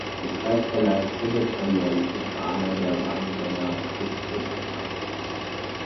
Die Preisverleihung findet alljährlich im Rahmen der "Wangener Gespräche" statt.